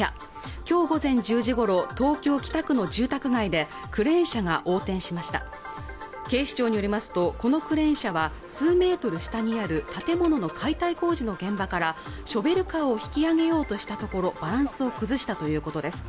今日午前１０時ごろ東京北区の住宅街でクレーン車が横転しました警視庁によりますとこのクレーン車は数メートル下にある建物の解体工事の現場からショベルカーを引き上げようとしたところバランスを崩したということです